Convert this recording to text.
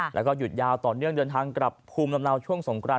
แล้วก็หยุดยาวต่อเนื่องเดินทางกลับภูมิลำเนาช่วงสงคราน